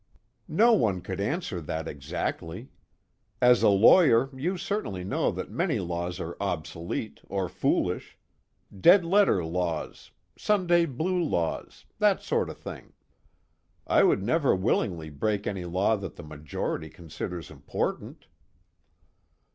"No one could answer that exactly. As a lawyer, you certainly know that many laws are obsolete or foolish. Dead letter laws Sunday blue laws that sort of thing. I would never willingly break any law that the majority considers important."